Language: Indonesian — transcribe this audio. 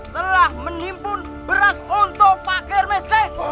telah menimpun beras untuk pak germes